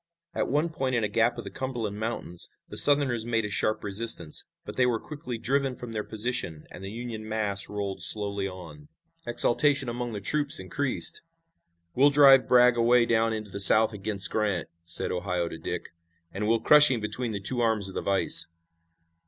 At one point in a gap of the Cumberland Mountains the Southerners made a sharp resistance, but they were quickly driven from their position and the Union mass rolled slowly on. Exultation among the troops increased. "We'll drive Bragg away down into the South against Grant," said Ohio to Dick, "and we'll crush him between the two arms of the vise.